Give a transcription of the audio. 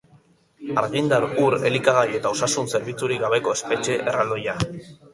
Argindar, ur, elikagai eta osasun zerbitzurik gabeko espetxe erraldoia.